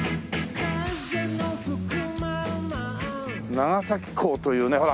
長崎港というねほら。